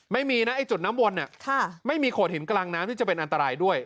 ไม่มีนะไอ้จุดน้ำวนไม่มีโขดหินกลางน้ำที่จะเป็นอันตรายด้วย